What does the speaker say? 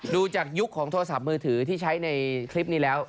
ดูจากยุคของโทรศัพท์มือถือที่ใช้ในคลิปนี้แล้ว